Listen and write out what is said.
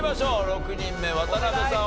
６人目渡邉さん